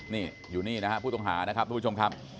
นี่อยู่นี่นะครับผู้ต้องหานะครับทุกผู้ชมครับ